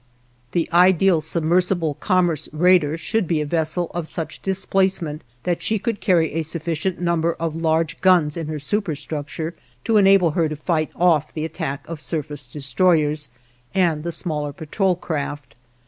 The ideal submersible commerce raider should be a vessel of such displacement that she could carry a sufficient number of large guns in her superstructure to enable her to fight off the attack of surface destroyers and the smaller patrol craft.